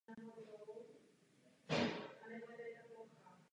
Tam na něho čekají různé testy.